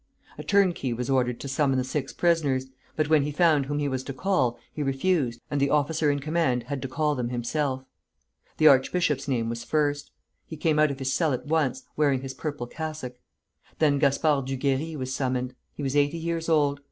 A turnkey was ordered to summon the six prisoners; but when he found whom he was to call, he refused, and the officer in command had to call them himself. The archbishop's name was first. He came out of his cell at once, wearing his purple cassock. Then Gaspard Duguerrey was summoned. He was eighty years old.